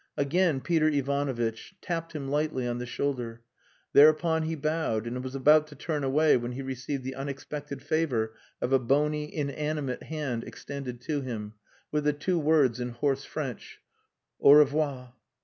Again Peter Ivanovitch tapped him slightly on the shoulder. Thereupon he bowed, and was about to turn away when he received the unexpected favour of a bony, inanimate hand extended to him, with the two words in hoarse French "_Au revoir!